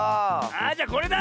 あじゃあこれだ！